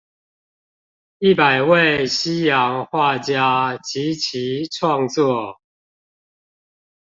一百位西洋畫家及其創作